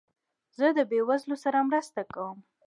زه د بېوزلو سره مرسته کوم.